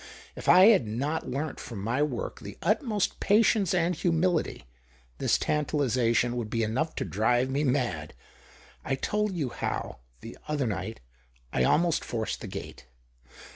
If I had not learnt from my work the utmost patience and humility, this tantalization would be enough to drive me mad. I told you how — the other night— I almost forced the gate.